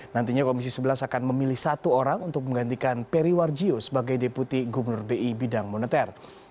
nantinya komisi sebelas akan memilih satu orang untuk menggantikan periwarjio sebagai deputi gubernur bi bidang moneter